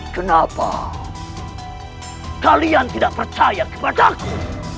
kenapa kalian tidak percaya kepadaku